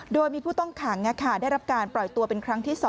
โดยมีผู้ต้องขังได้รับการปล่อยตัวเป็นครั้งที่๒